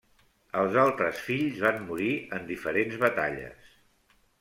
Els altres fills van morir en diferents batalles.